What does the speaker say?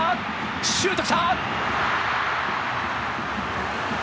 シュート来た！